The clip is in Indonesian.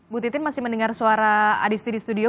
bu titin masih mendengar suara adisti di studio